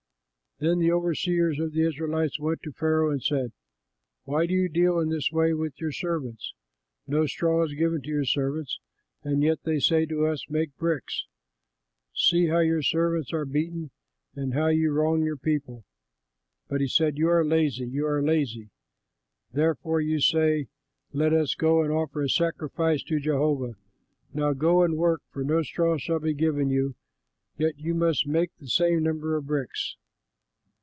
Then the overseers of the Israelites went to Pharaoh and said, "Why do you deal in this way with your servants? No straw is given to your servants, and yet they say to us, 'Make bricks.' See how your servants are beaten and how you wrong your people." But he said, "You are lazy, you are lazy; therefore you say, 'Let us go and offer a sacrifice to Jehovah.' Now go and work, for no straw shall be given you; yet you must make the same number of bricks."